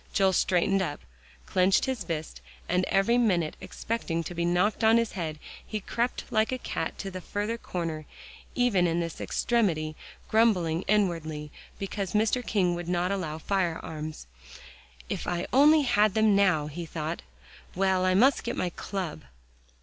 Joel straightened up, clenched his fist, and every minute expecting to be knocked on the head, he crept like a cat to the further corner, even in this extremity, grumbling inwardly because Mr. King would not allow firearms. "If I only had them now!" he thought. "Well, I must get my club."